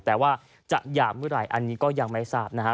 แต่ว่าจะหย่าเมื่อไหร่อันนี้ก็ยังไม่ทราบนะฮะ